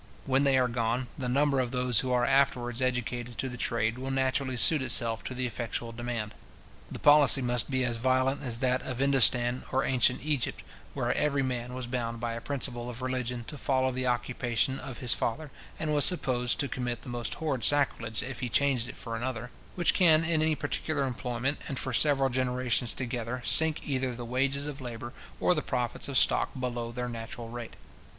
When they are gone, the number of those who are afterwards educated to the trade will naturally suit itself to the effectual demand. The policy must be as violent as that of Indostan or ancient Egypt (where every man was bound by a principle of religion to follow the occupation of his father, and was supposed to commit the most horrid sacrilege if he changed it for another), which can in any particular employment, and for several generations together, sink either the wages of labour or the profits of stock below their natural rate.